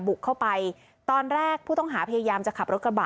บุกเข้าไปตอนแรกผู้ต้องหาพยายามจะขับรถกระบะ